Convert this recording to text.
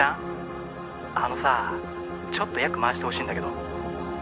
「あのさぁちょっとヤク回してほしいんだけど」